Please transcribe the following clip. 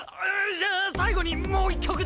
じゃあ最後にもう１曲だけ！